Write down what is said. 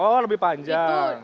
oh lebih panjang